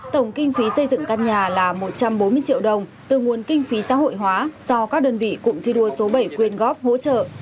tổng kinh phí xây dựng căn nhà là một trăm bốn mươi triệu đồng từ nguồn kinh phí xã hội hóa do các đơn vị cụm thi đua số bảy quyên góp hỗ trợ